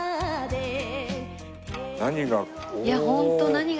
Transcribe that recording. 何が。